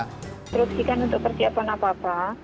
instrupsikan untuk persiapan apa apa